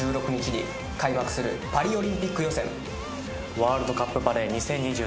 ワールドカップバレー２０２３